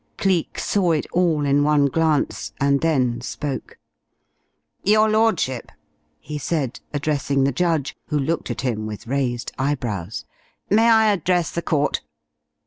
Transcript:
Cleek saw it all in one glance, and then spoke. "Your Lordship," he said, addressing the judge, who looked at him with raised eyebrows, "may I address the court?"